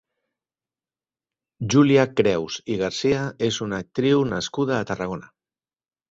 Júlia Creus i Garcia és una actriu nascuda a Tarragona.